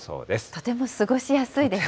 とても過ごしやすいですね。